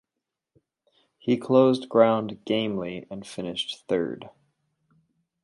He closed ground "gamely" and finished third.